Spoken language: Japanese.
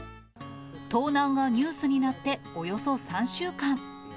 盗難がニュースになっておよそ３週間。